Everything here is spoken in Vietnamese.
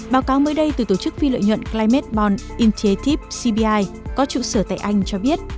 báo cáo mới đây từ tổ chức phi lợi nhuận climate bond initiative cbi có trụ sở tại anh cho biết